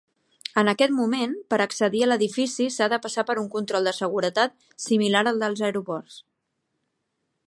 En aquest moment, per accedir a l'edifici s'ha de passar per un control de seguretat similar al dels aeroports.